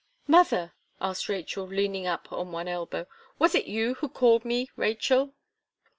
"Mother," asked Rachel, leaning up on one elbow, "was it you who called me, Rachel?"